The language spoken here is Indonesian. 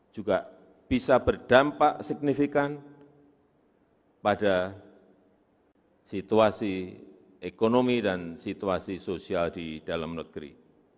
juga bisa berdampak signifikan pada situasi ekonomi dan situasi sosial di dalam negeri